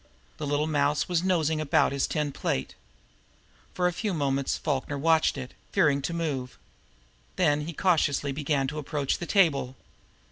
The little mouse was nosing about his tin plate. For a few moments Falkner watched it, fearing to move. Then he cautiously began to approach the table.